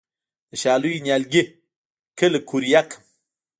د شالیو نیالګي کله قوریه کړم؟